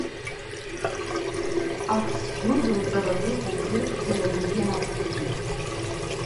Ак сгәыдылҵара дыҟоуп, реиқәшәара дагьаацәшәеит.